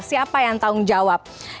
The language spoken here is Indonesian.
siapa yang tanggung jawab